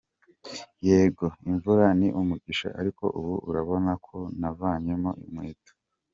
Yego imvura ni umugisha ariko ubu urabona ko navanyemo inkweto.